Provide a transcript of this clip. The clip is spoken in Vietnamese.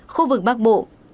khu vực bắc bộ